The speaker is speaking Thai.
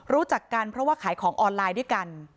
รู้จักกันเพราะว่าขายของออนไลน์ด้วยกัน